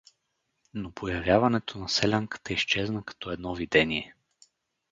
Но появяването на селянката изчезна като едно видение.